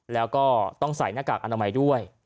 แล้วก็ต้องใส่หน้ากากอนามัยด้วย